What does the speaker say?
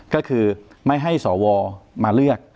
ก็คือไม่ให้สวมาเลือก